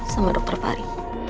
sama dokter fahri